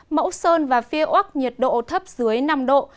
mẫu sơn và phiêu úc nhiệt độ thấp dưới năm độ